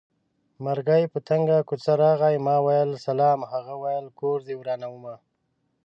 مرګی په تنګه کوڅه راغی ما وېل سلام هغه وېل کور دې ورانومه